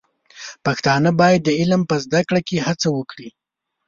پښتانه بايد د علم په زده کړه کې هڅه وکړي.